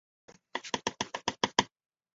只写存储器相反的一种存储器。